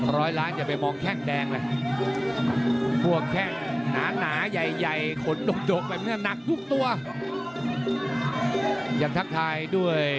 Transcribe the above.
ร้อยล้านอย่าไปมองแค่งแดงเลย